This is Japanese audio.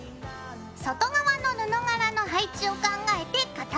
外側の布柄の配置を考えて型紙を置くよ。